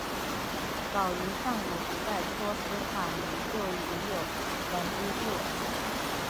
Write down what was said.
早于上古时代托斯卡尼就已有人居住。